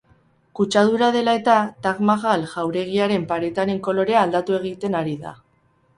Kutsadura dela eta, Taj Mahal jauregiaren paretaren kolorea aldatu egiten ari da.